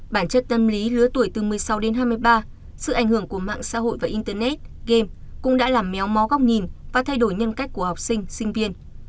bản chất tâm lý lứa tuổi từ một mươi sáu đến hai mươi ba sự ảnh hưởng của mạng xã hội và internet game cũng đã làm méo mó góc nhìn và thay đổi nhân cách của học sinh sinh viên